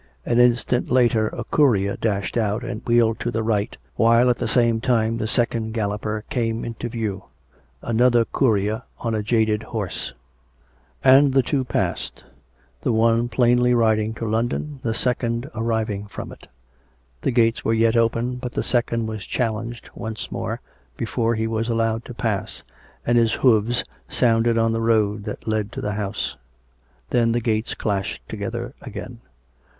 An instant later a courier dashed out and wheeled to the right, while at the same time the second galloper came to view — another courier on a jaded horse; and the two passed — the one plainly riding to London, the second arriving from it. The gates were yet open; but the second was challenged once more before he was allowed to pass and his hoofs sounded on the road that led to the house. Then the gates clashed together again.